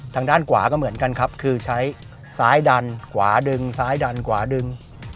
ทางด้านขวาก็เหมือนกันครับคือใช้ซ้ายดันขวาดึงซ้ายดันขวาดึง